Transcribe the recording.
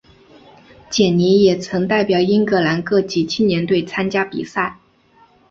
简尼也曾代表英格兰各级青年队参加比赛。